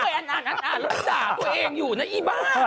ฉันเปิดอ่านอ่านอ่านอ่านแล้วด่าตัวเองอยู่นะอีบ้า